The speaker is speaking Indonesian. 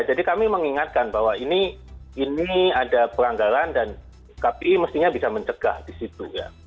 jadi kami mengingatkan bahwa ini ada peranggaran dan kpi mestinya bisa mencegah di situ ya